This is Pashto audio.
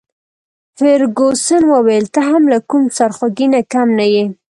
فرګوسن وویل: ته هم له کوم سرخوږي نه کم نه يې.